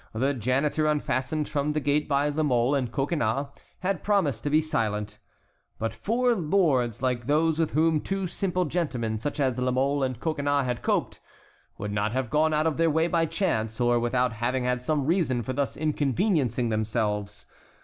The janitor unfastened from the gate by La Mole and Coconnas had promised to be silent. But four lords like those with whom two simple gentlemen, such as La Mole and Coconnas, had coped, would not have gone out of their way by chance, or without having had some reason for thus inconveniencing themselves.